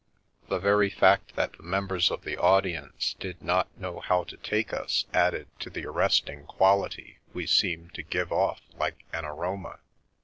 The very fact that the members of the audience did not know how to take us added to the arresting quality we seemed to give off like an aroma.